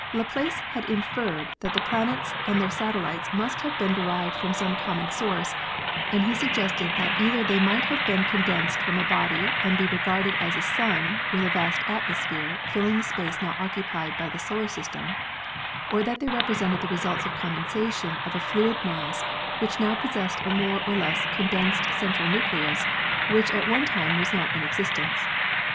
Laplace had inferred that the planets and their satellites must have been derived from some common source, and he suggested that either they might have been condensed from a body and be regarded as a sun with a vast atmosphere filling the space now occupied by the solar system or that they represented the results of condensation of a fluid mass which now possessed a more or less condensed central nucleus which at one time was not in existence.